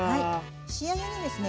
仕上げにですね